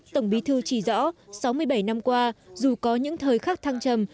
tổng bí thư chỉ rõ sáu mươi bảy năm qua dù có những thời khắc thăng trầm